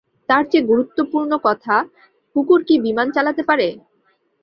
তার চেয়ে গুরুত্বপূর্ণ কথা, কুকুর কি বিমান চালাতে পারে?